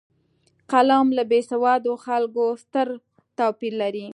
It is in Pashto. قلم له بېسواده خلکو ستر توپیر لري